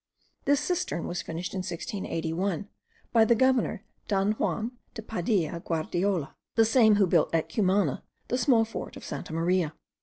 This cistern was finished in 1681, by the governor Don Juan de Padilla Guardiola, the same who built at Cumana the small fort of Santa Maria.